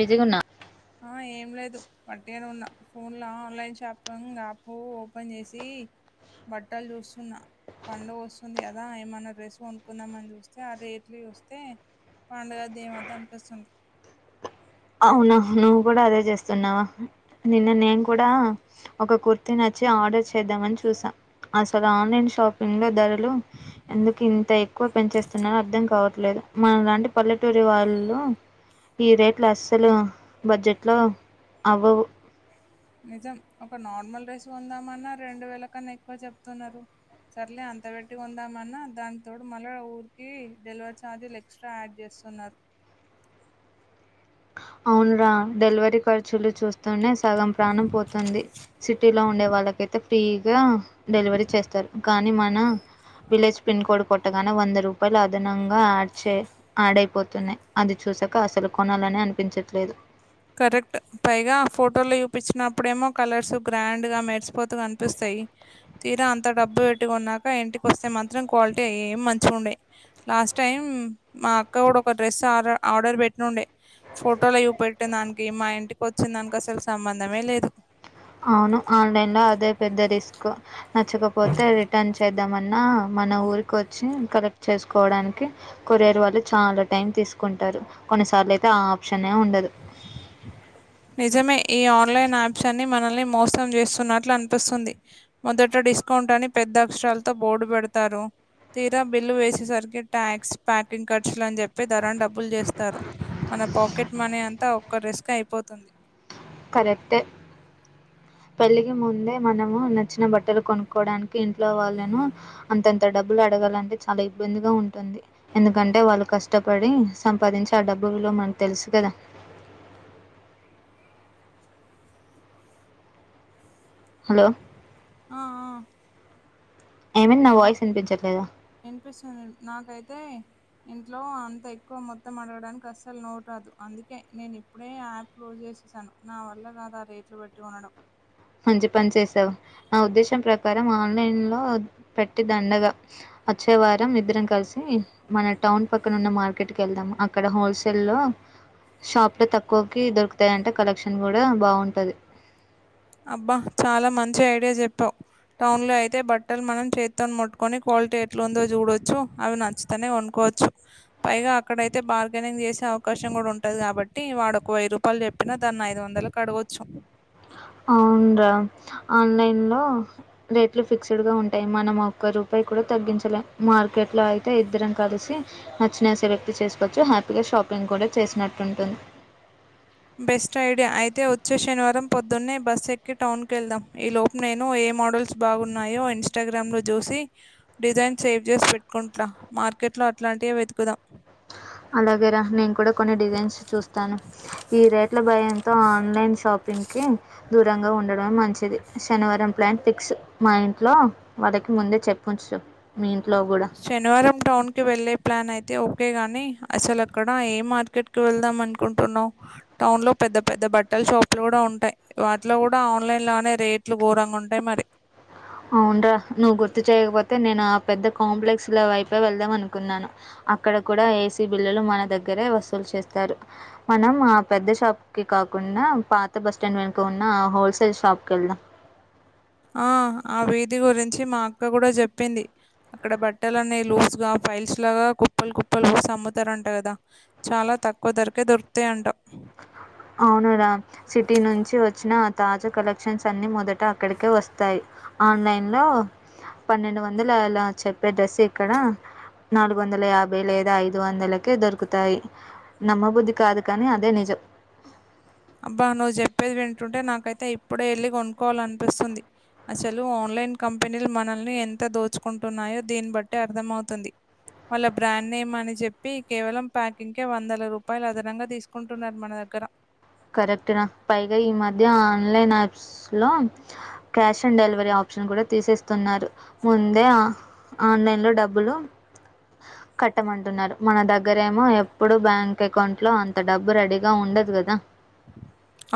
బిజీగున్న ఆ ఏం లేదు. వట్టిగనే ఉన్న. ఫోన్ లో ఆన్లైన్ షాపింగ్ యాపు ఓపెన్ చేసి, బట్టలు చూస్తున్న. పండుగొస్తుంది గదా! ఏమన్న డ్రెస్ కొనుకుందామని అని చూస్తే, ఆ రేట్లు చూస్తే, పండగొద్దు ఏమోద్దు అనిపిస్తుంది. అవునా నువ్వు గూడ అదే చేస్తున్నావ నిన్న నేను కుడా ఒక కుర్తి నచ్చి ఆర్డర్ చేద్దామని చూసా. అసలు ఆన్లైన్ షాపింగ్ లో ధర లు ఎందుకు ఇంత ఎక్కువ పెంచేస్తున్నారో అర్థం కావట్లేదు మనలాంటి పల్లెటూరి వాళ్ళు ఈ రేట్ ట్లో అస్సలు బడ్జెట్లో అవ్వవు నిజం ఒక నార్మల్ డ్రస్ కొందామన్న రెండు వేల కన్నా ఎక్కువ చెప్తున్నరు సర్లే అంత పెట్టి కొందాం అన్నా దాని తోడు మళ్ళ ఊరికి డెలివరీ ఛార్జి లెక్ ఎక్స్ట్రా యాడ్ జేస్తున్నారు అవును రా డెలివరీ ఖర్చులు చూస్ తనే సగం ప్రాణం పోతుంది సిటీలో ఉండే వాళ్ళకైతె ఫీగా డెలివరీ చేస్తారు కానీ మన విలేజ్ పిన్ కోడ్ కొట్టగానే వంద రూపాయిలు అదనంగా యాడ్ చే ఆడైపోతున్నయ్ అది చూసాక అసలు కొనాలని అనిపించట్లేదు కరెక్ట్ పైగా ఫోటోలు చూపించినప్పుడేమో కలర్స్ గ్రాండ్ గా మెరిసిపోతు కనిపిస్తయ్ తీరా అంత డబ్బు పెట్టుకొన్నాక ఇంటికి వస్తే మాత్రం క్వాలిటీ ఏం మంచిగుండయ్ లాస్ట్ టైం మా అక్క కూడ ఒక డ్రెస్ ఆరర్ ఆర్డర్ పెట్టినుండే ఫోటోల చూపెట్ ట్టిందానికి మా ఇంటికి వచ్చిన దానికి అసలు సంబందమే లేదు అవును ఆన్లైన్ లో అదే పెద్ద రిస్క్ నచ్చకపోతే రిటర్న్ చేద్దామన్నా మన ఊరికి వచ్చి కరెక్ట్ చేసుకోవడానికి కొరియర్ వాళ్ళు చాలా టైం తీసుకుంటారు కొన్నిసార్ల అయితే ఆప్షన్ ఏ ఉండదు నిజమే ఈ ఆన్లైన్ యాప్స్ అన్ని మనల్ని మోసం చేస్తున్నట్లు అనిపిస్తుంది. మొదట డిస్కౌంట్ అని పెద్ద అక్షరాలతో బోర్డు పెడతారు. తీరా బిల్లు వేసేసరికి ట్యాక్స్ ప్యాకింగ్ ఖర్చులని చెప్పి చెప్పి ధర డబ్బులు చేస్తారు మన పాకెట్ మనీ అంతా ఒక్క డ్రెస్ కె అయిపోతుంది. కరెక్టే పెళ్లికి ముందే మనము నచ్చిన బట్టలు కొనుక్కోడానికి ఇంట్లో వాళ్ళను అంతంత డబ్బులు అడగాలంటే చాలా ఇబ్బందిగా ఉంటుంది. ఎందుకంటే వాళ్ళు కష్టపడి సంపాదించి ఆ డబ్బు విలువ మనకు తెలుసు కదా హలో ఆ ఆ! ఏమైంది నా వాయిస్ వినిపించట్లేదా ఇనిపిస్తుంది నాకైతే ఇంట్లో అంత ఎక్కువ మొత్తం అడగడానికి అస్సలు నోరాదు అందుకే నేను ఇప్ అప్పుడే యాప్ క్లోజ్ చేసేసాను నా వల్ల కాదు ఆ రేట్లు పెట్టి కొనడం. మంచి పని చేసావ్ నా ఉద్దేశం ప్రకారం ఆన్లైన్ లో పెట్టి దండగా వచ్చే వారం ఇద్దరం కలిసి మన టౌన్ పక్కన ఉన్న మార్కెట్ కి వెళ్దాం అక్కడ హోల్సేల్ లో షాప్ లో తక్కువకి దొరుకుతాయి అంట కలెక్షన్ కూడా బాగుంటది అబ్బా చాలా మంచి ఐడియా జెప్పావ్ టౌన్ లో అయితే బట్టలు మనం చేతితోని ముట్టుకొని క్వాలిటీ ఎట్లుఉందో చూడొచ్చు అవి నచ్చు తనే కొనుక్కోవచ్చు పైగా అక్కడయితే బార్గెనింగ్ చేసే అవకాశం కూడా ఉంటది కాబట్టి వాడొక వెయ్య రూప్ యల్ చెప్పినా దాన్ని ఐదు వందలకు అడగొచ్చు అవును రా ఆన్లైన్ లో రేట్లు ఫిక్స్ చేయడమే ఉంటాయి మనం ఒక్క రూపాయి కూడా తగ్గించలేం మార్కెట్లో అయితే ఇద్దరం కలిసి నచ్చిన సెలెక్ట్ చేసుకోవచ్చు హ్యాపీగా షాపింగ్ కూడా చేసినట్టు ఉంటుంది. బెస్ట్ ఐడియా అయితే వచ్చే శనివారం పొద్దున్నే బస్సు ఎక్కి టౌన్కి ఎళ్దాం ఈ లోపు నేను ఏ మోడల్స్ బాగున్నాయో ఇన్స్టాగ్రామ్ లో జూసి డిజైన్ సేవ్ చేసి వేట్టుకుంటున్నా, మార్కెట్ లో అట్లాంటివే వెతుకుదాం. అలాగే రా నేను కూడా కొన్ని డిజైన్స్ చూస్తాను, ఈ రేట్ల భయంతో ఆన్లైన్ షాప్ పింగ్ కి దూరంగా ఉండడంమే మంచిది, శనివారం ప్లాన్ ఫిక్స్. మా ఇంట్లో వాళ్ళకి ముందే చెప్పించు, మీ ఇంట్లో గుడ. శనివారం టౌన్ కి వెళ్ళే ప్లాన్ అయితే ఓకే గాని, అసలు అక్కడ ఏ మార్కెట్ కు వెళ్దాం అనుకుంటున్నావ్? టౌన్ లో పెద్ద పెద్ద బట్టల షాపులు గుడా ఉంటయి. వాటిలో గుడా ఆన్లైన్ లోనే రేట్లు ఘోరంగా ఉంటయి మరి. అవునరా నువ్వు గుర్తు చేయకపోతే నేను ఆ పెద్ద కాంప్లెక్స్ లో వైప వెళ్దాం అనుకున్నాను. అక్కడ కుడా ఏ సీ బిల్లలు మన దగ్గరే వసూలు చేస్తారు. మనం ఆ పెద్ద షాప్ కి కాకుండా, పాత బస్ స్టాండ్ వెనుక ఉన్న ఆ హోల్సేల్ షాప్ కి వెళ్దాం. ఆ ఆ వీది గురించి మా అక్క గుడ చెప్పింది. అక్కడ బట్టలన్నీ లూస్ గా, ఫైల్స్ లాగా కుప్పలు కుప్పలు ఏసీ అమ్ముతరంట కదా. చాలా తక్కువ ధరకే దొరుకుతయంట. అవును రా సిటీ నుంచి వచ్చిన ఆ తాజా కలెక్షన్స్ అన్ని మొదట అక్కడికే వస్తాయి. ఆన్లైన్ లో పన్నెండు వందల ఆలా చెప్పే డ్రెస్ ఇక్కడ నాలుగు వందల యాభై లేదా ఐదు వందలకె దొరుకుతాయి. నమ్మ బుద్ధి కాదు కాని అదే నిజం. అబ్బా నువ్వు చెప్పేది వింటుంటే నాకైతే ఇప్పుడే ఎళ్ళి కొనుకోవాలనిపిస్తుంది. అసలు ఆన్లైన్ కంపెనీలు మనల్ని ఎంత దోచుకుంటున్నాయో దీన్ని బట్టి అర్థమవుతుంది. వాళ్ళ బ్రాండ్ నేమ్ అని చెప్పి, కేవలం ప్యాకింగ్ కే వందల రూపాయలు అదనంగా తీసుకుంటున్నారు మన దగ్గర. కరెక్ట్ రా పైగా ఈ మధ్య ఆన్లైన్ యాప్స్ లో క్యాష్ ఆన్ డెలివరీ ఆప్షన్ కుడా తీసేస్తున్నారు, ముందే ఆ ఆన్లైన్ లో డబ్బులు [inaudible] కట్టమంటున్నారు, మన దగ్గరేమో ఎప్పుడు బ్యాంక్ అకౌంట్ లో అంత డబ్బు రెడీగా ఉండదు కదా.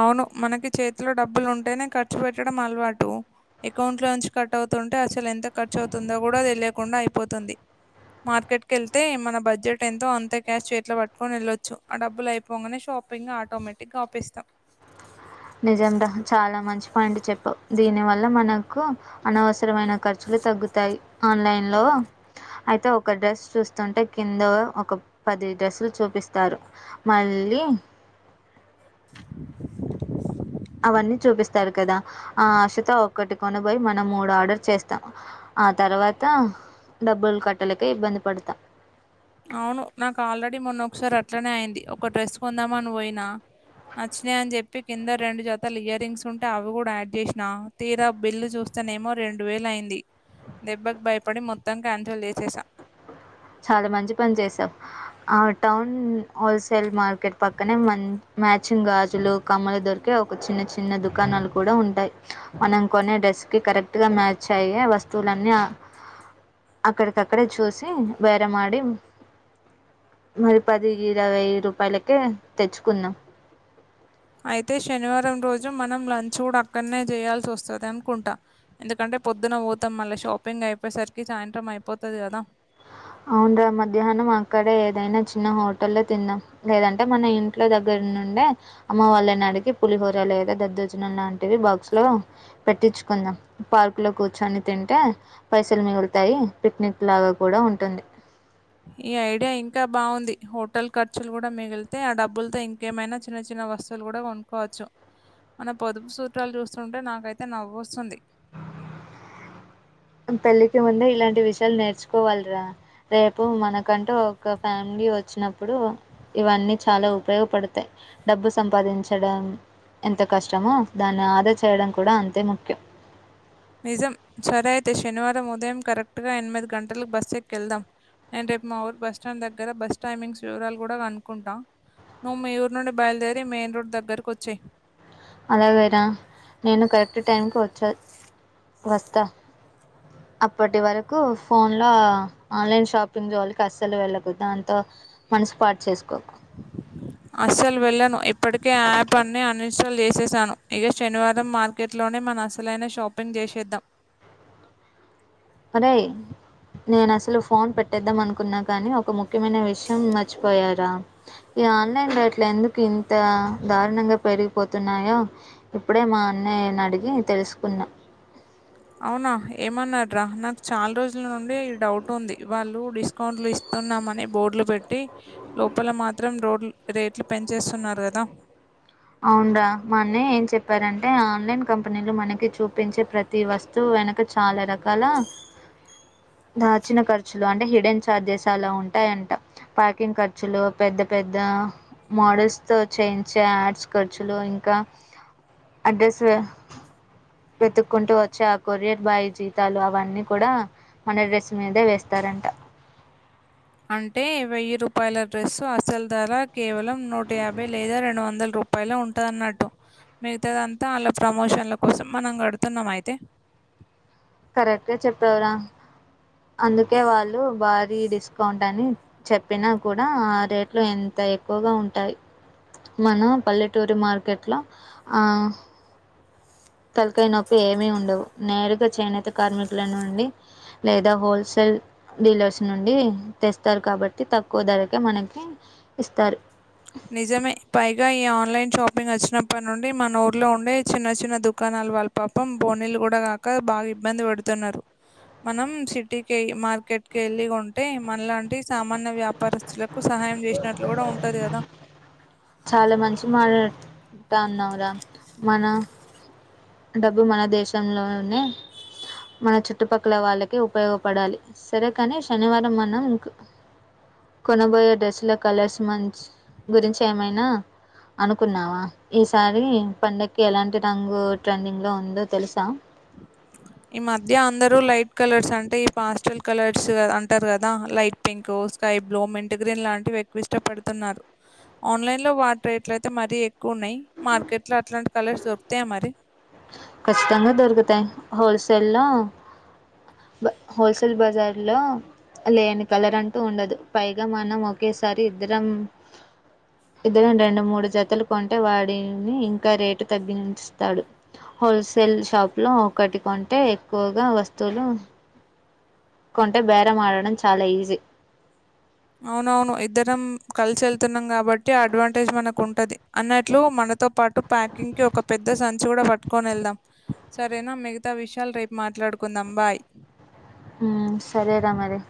అవును మనకి చేతిలో డబ్బులు ఉంటేనే ఖర్చు పెట్టడం అలవాటు. అకౌంట్లో నుంచి కట్ అవుతుంటే అసలు ఎంత ఖర్చు అవుతుందో గుడ తెలియకుండా అయిపోతుంది. మార్కెట్ కెళ్తే మన బడ్జెట్ ఎంతో అంతే క్యాష్ చేతిలో పట్టుకొని ఎళ్ళొచ్చు, ఆ డబ్బులు అయి పొంగనే షాపింగ్ ఆటోమేటిక్ గా ఆపేస్తాం. నిజంరా చాలా మంచి పాయింట్ చెప్పావు. దీనివల్ల మనకు అనవసరమైన ఖర్చులు తగ్గుతాయి, ఆన్లైన్లో అయితే ఒక డ్రెస్ చూస్తుంటే, కింద ఒక పది డ్రస్లు చూపిస్తారు మళ్ళీ [inaudible] అవన్నీ చూపిస్తారు కదా, ఆ అశతో ఒక్కటి కొనబోయ్ మనం మూడు ఆర్డర్ చేస్తాము. ఆ తర్వాత డబ్బులు కట్టలేక ఇబ్బంది పడతాం. అవును నాకు ఆల్రెడీ మొన్నొ ఒకసారి అట్లనే అయింది, ఒక డ్రెస్ కొందామని పొయినా. నచ్చినయి అని చెప్పి, కింద రెండు జతలు ఇయర్ రింగ్స్ ఉంటే అవి గుడ యాడ్ చేసినా తీరా బిల్లు చూస్తనేమో రెండు వేలు అయింది, దెబ్బకు భయపడి మొత్తం క్యాన్సల్ చేసేసా. చాలా మంచి పని చేసావ్. ఆ టౌన్ హోల్సేల్ మార్కెట్ పక్కనే మం మ్యాచింగ్ గాజులు, కమ్మలు దొరక్ కే ఒక చిన్న చిన్న దుకాణాలు కుడ ఉంటాయి. మనం కొనే డ్రెస్ కి కరెక్ట్ గా మ్యాచ్ అయ్యే వస్తువులన్నీ ఆ అక్కడికక్కడే చూసి భెరంమాడి మరి పది ఇరవై రూపాయలకే తెచ్చుకున్నాం అయితే శనివారం రోజు మనం లంచ్ కూడా అక్కడనే చేయాల్సి వస్తది అనుకుంటా ఎందుకంటే పొద్దున పోతాం మళ్ళ షాపింగ్ అయిపోయేసరికి సాయంత్రం అయిపోతది కదా అవును రా మధ్యాహ్నం అక్కడే ఏదైనా చిన్న హోటల్లో తిందాం లేదంటే మన ఇంట్లో దగ్గర నుండే అమ్మ వాళ్ళని అడిగి పులిహోర లేదా దద్దోజినం లాంటివి బాక్స్ లో పెట్టించుకుందాం పార్క్ లో కూర్చొని తింటే పైసలు మిగులుతాయి పిక్నిక్ లాగా కూడా ఉంటుంది ఈ ఐడియా ఇంకా బావుంది హోటల్ ఖర్చులు కూడా మిగిలితే ఆ డబ్బులతో ఇంకేమైనా చిన్న చిన్న వస్తు లు కూడా కొనుకోవచ్చు మన పొదుపు సూత్రాలు చూస్తుంటే నాకైతే నవ్వు వస్తుంది పెళ్ళికి ముందే ఇలాంటి విషయాలు నేర్చుకోవాలిరా రేపు మనకంటూ ఒక ఫ్యామిలీ వచ్చినప్పుడు ఇవన్నీ చాలా ఉపయోగపడతాయి డబ్బు సంపాదించడ ఎంత కష్టమో దాన్ని ఆదా చేయడం కూడా అంతే ముఖ్యం నిజం సరే అయితే శనివారం ఉదయం కరెక్ట్గా ఎనిమిది గంటలక బస్సు ఎక్కిెళ్దాం నేను రేపు మా ఊరు బస్ స్టాండ్ దగ్గర బస్ టైమింగ్స్ వివరాలు కూడా కనుకుంట నువ్వు మీ ఊరు నుండి బయల్దేరి మెయిన్ రోడ్డు దగ్గరకు వచ్చేయి అలాగైరా నేను కరెక్ట్ టైంకి వచ్చె వస్తా అప్పటి వరకు ఫోన్లో ఆన్లైన్ షాపింగ్ జోళీకి అస్సలు వెళ్ళకు దాంతో మనసు పాడు చేసుకోకు అస్సలు వెళ్ళను ఇప్పటికే యాప్ అన్ని అన్‌ఇన్‌స్టాల్ చేసేసాను ఇక శనివారం మార్క్ కెట్లోనే మన అసలైన షాపింగ్ చేసేద్దాం అరే నేను అసలు ఫోన్ పెట్టేద్దాం అనుకున్నా కాని ఒక ముఖ్యమైన విషయం మర్చిపోయారా ఈ ఆన్లైన్ రేట్లు ఎందుకు ఇంత దారుణంగా పెరిగిపోతున్నాయో ఇప్పుడే మా అన్నయ్యని అడిగి తెలుసుకున్నా అవునా ఏమన్నార నాకు చాలా రోజుల నుండి డౌట్ ఉంది వాళ్ళు డిస్ కౌంట్లు ఇస్తున్నామని బోర్డులు పెట్టి లోపల మాత్రం రోడ్లు రేట్లు పెంచేస్తున్నారు గదా అవునుడ్రా మా అన్నయ్య ఏం చెప్పారంటే ఆన్లైన్ కంపెనీలు మనకి చూపించే ప్రతి ఈ వస్తువు వెనక చాలా రకాల దాచిన ఖర్చులు అంటే హిడేన్ ఛార్జెస్ అలా ఉంటాయంట పార్కింగ్ ఖర్చులు పెద్ద పెద్ద మోడల్స్ తో చేయించే యాడ్స్ ఖర్చులు ఇంకా అ డ్రస్ వి వెతుక్కుంటూ వచ్చే ఆ కొరియర్ బాయ్ జీతాలు అవన్నీ కూడా మన డ్రెస్ మీదే వేస్తారంట అంటే వెయ్యి రూపాయల డ్రెస్సు అసలు ధర కేవలం నూట యాభై లేదా రెండు వందల రూప రూపాయిలే ఉంటది అన్నట్టు మిగతాదంతా వాళ్ళ ప్రమోషన్ల కోసం మనం గడుతున్నామా అయితే కరెక్ట్గా చెప్పావు రా అందుకే వాళ్ళు భారీ డిస్కౌంట్ అని చెప్పినా కూడా ఆ రేట్లు ఎంత ఎక్కువగా ఉంటాయి మన పల్లెటూరి మార్కెట్లో తలకాయ నొప్పి ఏమి ఉండవు నేరుగా చేనేత కార్మికుల నుండి లేదా హోల్సేల్ డీలర్స్ నుండి తెస్తారు కాబట్టి తక్కువ ధరకే మనకి ఇస్తారు నిజమే పైగా ఈ ఆన్లైన్ షాపింగ్ వచ్చినప్పటి నుండి మన ఊర్లో ఉండే చిన్న చిన్న దుకాణాల వాళ్ళ పాపం బోనీలు గూడా కాక బాగా ఇబ్బంది పెడుతున్నారు మనం సిటీకి మార్కెట్ కి వెళ్ళి కోంటే మనలాంటి సామాన్య వ్యాప్ పరిస్థితులకు సహాయం చేసినట్లు కూడా ఉంటది గదా చాలా మంచి మాట అన్నావు ర మన డబ్బు మన దేశంలోనే మన చుట్టుపక్కల వాళ్ళకి ఉపయోగపడాలి సరే కాని శనివారం మనం కొనబోయే డ్రెస్సుల కలర్స్ మంచి గురించి ఏమైనా అనుకున్నావా ఈసారీ పండగకి ఎలాంటి రంగు ట్రెండింగ్ లో ఉందో తెలుసా ఈ మధ్య అందరూ లైట్ కలర్స్ అంటే ఈ పాస్టల్ కలర్స్ అంటారు గదా light pink sky blue mint green లాంటివి ఎక్కువ ఇష్టపడుతున్నారు ఆన్లైన్ లో వాటి రేట్లు అయితే మరీ ఎక్కువ ఉన్నాయి మార్కెట్ లో అట్లాంటి కలర్స్ దొరుకుతాయా మరి ఖచ్చితంగా దొరుకుతాయి హోల్సేల్ లో బ హోల్సేల్ బజార్లో లేని కలర్ అంటూ ఉండదు పైగా మనం ఒకేసారి ఇద్దరం ఇద్దరం రెండు మూడు జతలు కొంటే వాడిని ఇంకా రేటు తగ్గించుతాడు హోల్సేల్ షాప్ లో ఒకటి కోంటే ఎక్కువగా వస్తువులు కొంటే బేరం ఆడడం చాలా ఈజీ అవునవును ఇద్దరం కలిసి వెళ్తున్నాం కాబట్టి అడ్వాంటేజ్ మనకు ఉంటది అన్నట్లు మనతో పాటు ప్యాకింగ్ కి ఒక పెద్ద సం చి కుడా పట్టుకొని వెళ్దాం సరేనా మిగతా విషయాలు రేపు మాట్లాడుకుందాం బాయ్ ఉమ్ సరేరా మరి